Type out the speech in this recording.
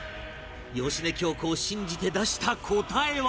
芳根京子を信じて出した答えは